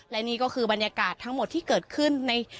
และนี่ก็คือบรรยากาศทั้งหมดที่เกิดขึ้นใน